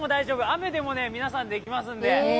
雨でも皆さんできますので。